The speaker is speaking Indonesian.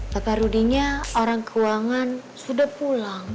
kata rudinya orang keuangan sudah pulang